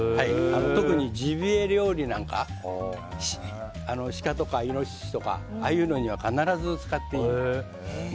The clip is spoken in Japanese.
特にジビエ料理なんかシカとかイノシシとかああいうのには必ず使っています。